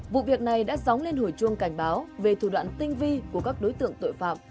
vụ việc này đã dóng lên hồi chuông cảnh báo về thủ đoạn tinh vi của các đối tượng tội phạm